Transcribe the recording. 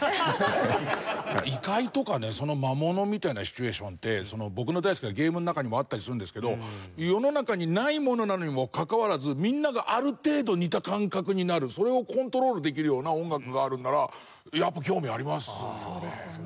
異界とかね魔物みたいなシチュエーションって僕の大好きなゲームの中にもあったりするんですけど世の中にないものなのにもかかわらずみんながある程度似た感覚になるそれをコントロールできるような音楽があるんならやっぱ興味ありますよね。